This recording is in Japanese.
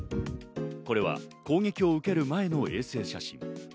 これは攻撃を受ける前の衛星写真。